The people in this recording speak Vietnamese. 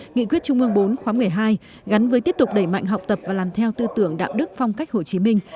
nghị quyết trung ương bốn khóa một mươi hai gắn với tiếp tục đẩy mạnh học tập và làm theo tư tưởng đạo đức phong cách hồ chí minh